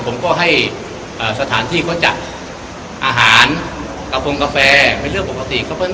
ผมก็ให้สถานที่เขาจัดอาหารกระโปรงกาแฟเป็นเรื่องปกติ